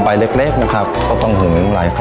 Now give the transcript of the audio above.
ทางโรงเรียนยังได้จัดซื้อหม้อหุงข้าวขนาด๑๐ลิตร